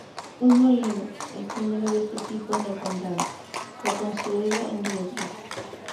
Un molino, el primero de este tipo en el condado, fue construido en Glenwood.